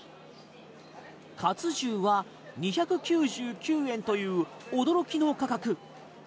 カツ重は２９９円という驚きの価格。